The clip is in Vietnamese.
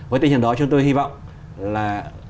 với tinh thần đó chúng tôi hy vọng là